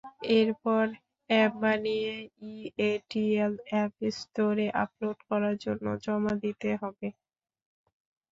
এরপর অ্যাপ বানিয়ে EATL app স্টোরে আপলোড করার জন্য জমা দিতে হবে।